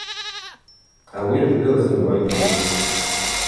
Ауи жвдыр зымгӏвагьи.